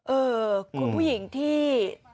เออคุณผู้หญิงที่